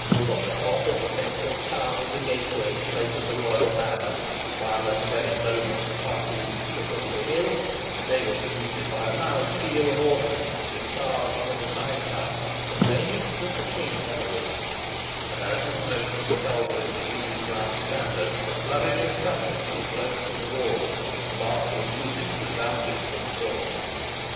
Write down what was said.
From the top of the central tower of the gateway floated the royal banner, while at the very moment the party reached the foot of the hill, they were saluted by a loud peal of ordnance discharged from the side towers, proclaiming that the King had arisen; and, as the smoke from the culverins wreathed round the standard, a flourish of trumpets was blown from the walls, and martial music resounded from the court.